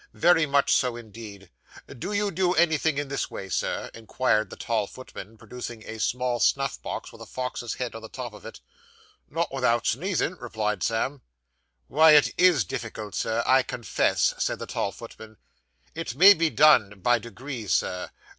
'Very much so indeed. Do you do anything in this way, Sir?' inquired the tall footman, producing a small snuff box with a fox's head on the top of it. 'Not without sneezing,' replied Sam. 'Why, it is difficult, sir, I confess,' said the tall footman. 'It may be done by degrees, Sir.